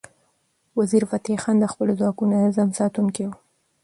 وزیرفتح خان د خپلو ځواکونو د نظم ساتونکی و.